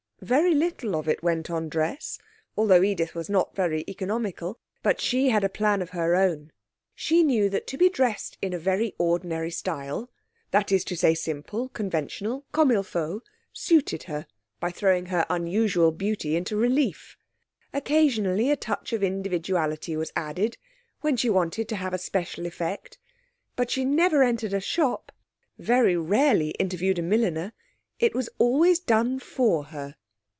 Very little of it went on dress, although Edith was not very economical. But she had a plan of her own; she knew that to be dressed in a very ordinary style (that is to say, simple, conventional, comme il faut) suited her, by throwing her unusual beauty into relief. Occasionally a touch of individuality was added, when she wanted to have a special effect. But she never entered a shop; very rarely interviewed a milliner. It was always done for her.